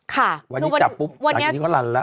ค่ะคือวันนี้ทรัพย์ปุ๊บก็ลั่นละ